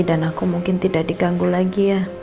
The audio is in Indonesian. dan aku mungkin tidak diganggu lagi ya